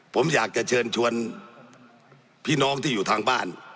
ผมอยากจะเชิญชวนพี่น้องที่อยู่ทางบ้าน